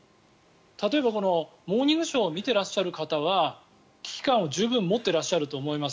例えば、「モーニングショー」を見ていらっしゃる方は危機感を十分持っていらっしゃると思います。